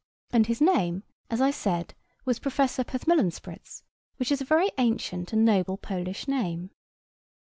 And his name, as I said, was Professor Ptthmllnsprts, which is a very ancient and noble Polish name.